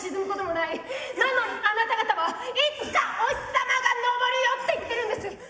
なのにあなた方は「いつかお日さまが昇るよ」って言ってるんです！